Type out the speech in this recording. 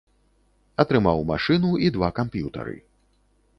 Атрымаў машыну і два камп'ютары.